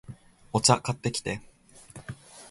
お茶、買ってきて